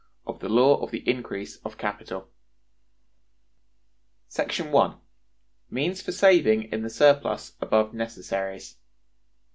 Of The Law Of The Increase Of Capital. § 1. Means for Saving in the Surplus above Necessaries.